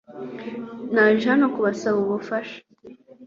Naje hano kubasaba ubufatanye .